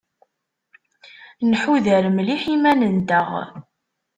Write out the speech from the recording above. Nḥuder mliḥ iman-nteɣ.